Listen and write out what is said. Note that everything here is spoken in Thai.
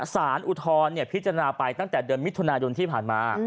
อุทธรณ์พิจารณาไปตั้งแต่เดือนมิถุนายนที่ผ่านมา